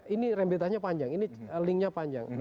ini rembetannya panjang ini linknya panjang